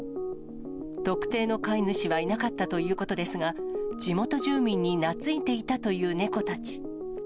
特定の飼い主はいなかったということですが、地元住民に懐いていたという猫たち。